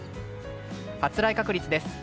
発雷確率です。